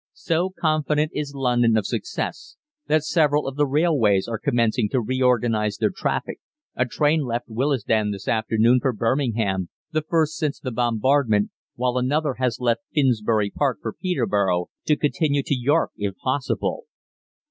"So confident is London of success that several of the railways are commencing to reorganise their traffic. A train left Willesden this afternoon for Birmingham, the first since the bombardment while another has left Finsbury Park for Peterborough, to continue to York if possible.